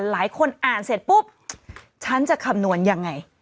หลายคนอ่านเสร็จปุ๊บฉันจะคำนวณยังไง